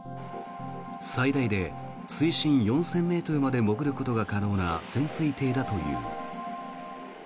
最大で水深４０００ｍまで潜ることが可能な潜水艇だという。